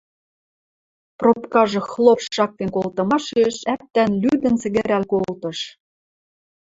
Пробкажы хлоп шактен колтымашеш ӓптӓн лӱдӹн сӹгӹрӓл колтыш...